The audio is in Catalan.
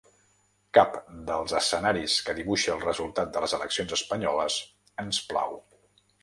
Cap dels escenaris que dibuixa el resultat de les eleccions espanyoles ens plau.